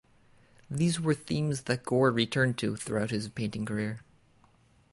These were themes that Gore returned to throughout his painting career.